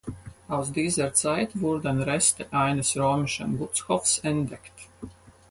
Aus dieser Zeit wurden Reste eines römischen Gutshofs entdeckt.